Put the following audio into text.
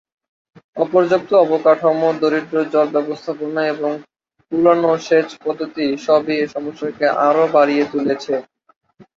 অপর্যাপ্ত অবকাঠামো, দরিদ্র জল ব্যবস্থাপনা এবং পুরানো সেচ পদ্ধতি সবই এই সমস্যাকে আরও বাড়িয়ে তুলেছে।